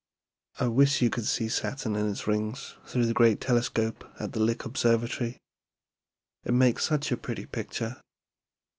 "I wish you could see Saturn and its rings through the great telescope at the Lick Observatory. It makes such a pretty picture.